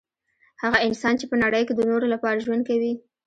هغه انسان چي په نړۍ کي د نورو لپاره ژوند کوي